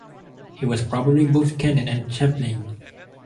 He was probably both canon and chaplain.